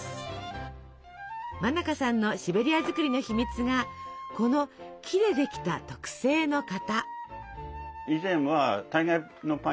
馬中さんのシベリア作りの秘密がこの木でできた特製の型。